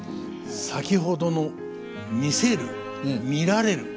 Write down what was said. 先ほどの「見せる」「見られる」